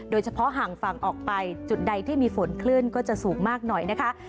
ห่างฝั่งออกไปจุดใดที่มีฝนคลื่นก็จะสูงมากหน่อยนะคะ